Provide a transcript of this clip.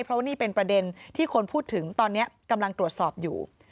เพราะว่านี่เป็นประเด็นที่คนพูดถึงตอนนี้กำลังตรวจสอบอยู่